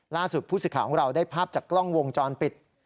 ล่าสุดผู้สิทธิ์ของเราได้ภาพจากกล้องวงจรปิด